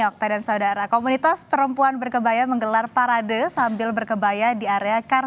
dokter dan saudara komunitas perempuan berkebaya menggelar parade sambil berkebaya di area car